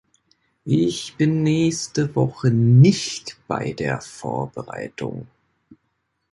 Ich bin nächste Woche nicht bei der Vorbereitung.